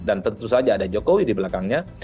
dan tentu saja ada jokowi di belakangnya